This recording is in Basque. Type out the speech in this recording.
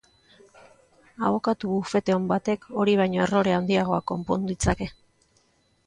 Abokatu bufete on batek hori baino errore handiagoak konpon ditzake.